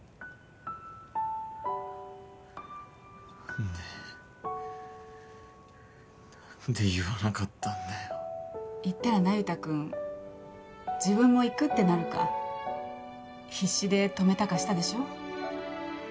何で何で言わなかったんだよ言ったら那由他君自分も行くってなるか必死で止めたかしたでしょう？